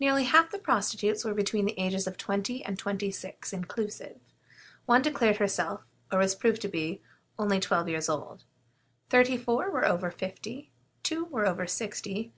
Nearly half the prostitutes were between the ages of twenty and twenty six inclusive. One declared herself, or was proved to be, only twelve years old; thirty four were over fifty; two were over sixty.